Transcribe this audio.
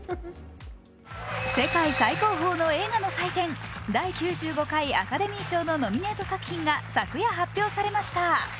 世界最高峰の映画の祭典、第９５回アカデミー賞のノミネート作品が昨夜発表されました。